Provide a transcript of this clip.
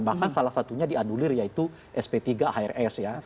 bahkan salah satunya dianulir yaitu sp tiga hrs ya